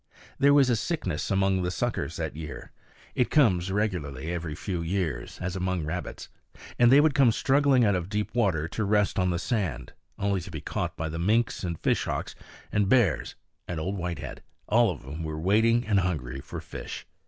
There was a sickness among the suckers that year (it comes regularly every few years, as among rabbits), and they would come struggling out of the deep water to rest on the sand, only to be caught by the minks and fish hawks and bears and Old Whitehead, all of whom were waiting and hungry for fish.